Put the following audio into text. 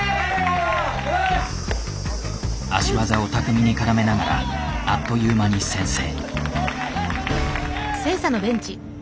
足技を巧みに絡めながらあっという間に先制。